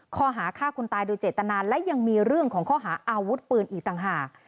ข้อหาฆ่าคนตายโดยเจตนาและยังมีเรื่องของข้อหาอาวุธปืนอีกต่างหาก